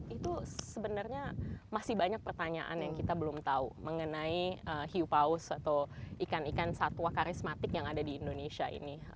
itu sebenarnya masih banyak pertanyaan yang kita belum tahu mengenai hiu paus atau ikan ikan satwa karismatik yang ada di indonesia ini